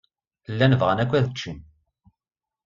Llan bɣan akk ad ččen.